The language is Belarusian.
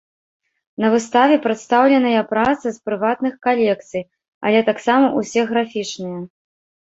На выставе прадстаўленыя працы з прыватных калекцый, але таксама ўсе графічныя.